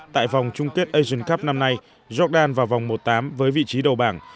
tại vòng chung kết asian cup năm nay jordan vào vòng một tám với vị trí đầu bảng